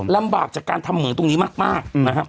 ลำบากจากการทำเหมืองตรงนี้มาก